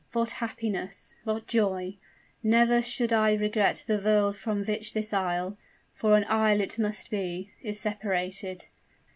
What happiness what joy! Never should I regret the world from which this isle for an isle it must be is separated!